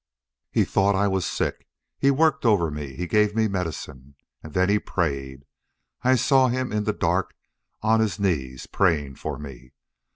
"He thought I was sick. He worked over me. He gave me medicine. And then he prayed. I saw him, in the dark, on his knees, praying for me.